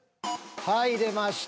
はい出ました。